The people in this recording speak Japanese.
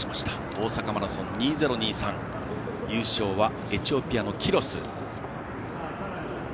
大阪マラソン２０２３優勝はエチオピアのキロス。